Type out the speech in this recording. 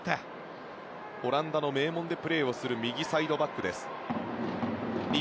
オランダの名門でプレーする右サイドバックの菅原。